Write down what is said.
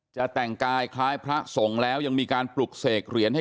จะแต่งกายคล้ายพระสงฆ์แล้วยังมีการปลุกเสกเหรียญให้